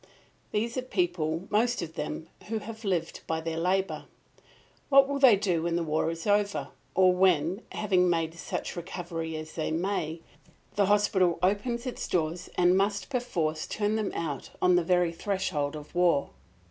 These are people, most of them, who have lived by their labour. What will they do when the war is over, or when, having made such recovery as they may, the hospital opens its doors and must perforce turn them out on the very threshold of war?